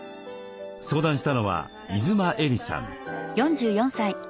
相談したのは出馬衣里さん。